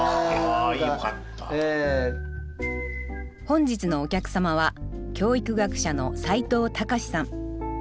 本日のお客様は教育学者の齋藤孝さん。